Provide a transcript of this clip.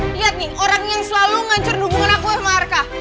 lihat nih orang yang selalu ngancurin hubungan aku sama arka